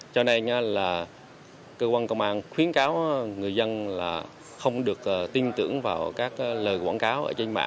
cho nên là cơ quan công an khuyến cáo người dân là không được tin tưởng vào các lời quảng cáo